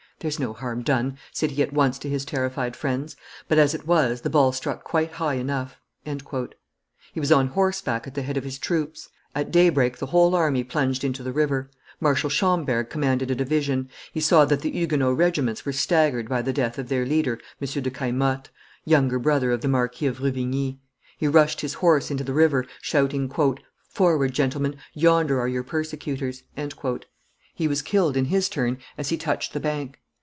"There's no harm done," said he at once to his terrified friends, "but, as it was, the ball struck quite high enough." He was on horseback at the head of his troops; at daybreak the whole army plunged into the river; Marshal Schomberg commanded a division; he saw that the Huguenot regiments were staggered by the death of their leader, M. de Caillemotte, younger brother of the Marquis of Ruvigny. He rushed his horse into the river, shouting, "Forward, gentlemen; yonder are your persecutors." He was killed, in his turn, as he touched the bank.